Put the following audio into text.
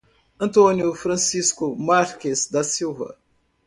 Antônio Francisco Marques da Silva